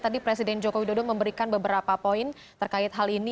tadi presiden joko widodo memberikan beberapa poin terkait hal ini